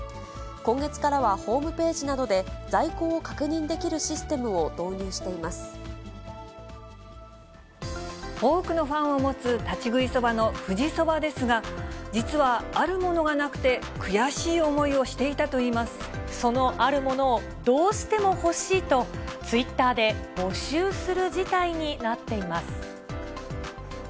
今月からはホームページなどで在庫を確認できるシステムを導入し多くのファンを持つ、立ち食いそばの富士そばですが、実はあるものがなくて、悔しい思いをしそのあるものを、どうしても欲しいと、ツイッターで募集する事態になっています。